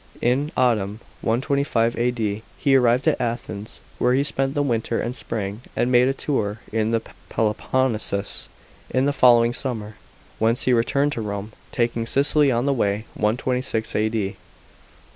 In autumn 125 A.D. he arrived at Athens, where he spent the winter and spring, and made a tour in the Peloponnesus in the following summer, whence he returned to Rome, taking Sicily on the way (126 A.D.).